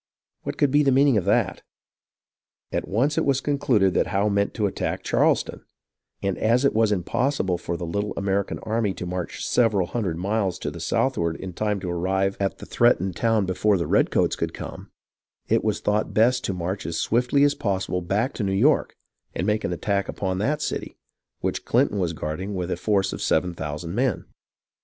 What could be the meaning of that ? At once it was concluded that Howe meant to attack Charleston ; and as it was impossible for the little American army to march several hundred miles to the southward in time to arrive at the threatened town before the redcoats could come, it was thought best to march as swiftly as possible back to New York, and make an attack upon that city, which Clinton was guarding with a force of seven thousand men.